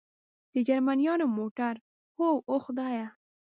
د جرمنیانو موټر؟ هو، اوه خدایه.